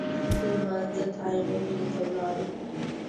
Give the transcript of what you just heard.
لمانځه ته عینومېنې ته ولاړو.